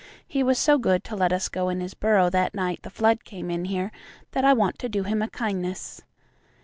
He was so good to let us go in his burrow that night the flood came in here that I want to do him a kindness."